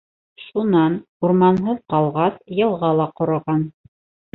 Шунан, урманһыҙ ҡалғас, йылға ла ҡороған.